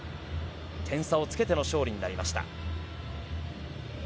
点差をつけての勝利になりました。